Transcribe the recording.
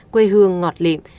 quê hương ngọt lịm